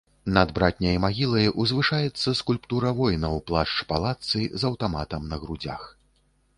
Над братняй магілай узвышаецца скульптура воіна ў плашч-палатцы з аўтаматам на грудзях.